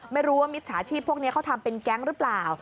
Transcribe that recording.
ไม่รู้ว่ามิจฉาชีพพวกนี้เขาทำเป็นแก๊งหรือเปล่า